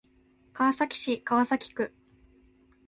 川崎市川崎区